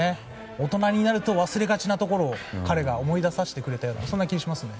大人になると忘れがちなところを彼が思い出させてくれたそんな気がしますよね。